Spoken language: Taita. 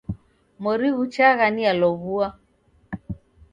Mori ghuchagha nialow'ua.